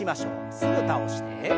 すぐ倒して。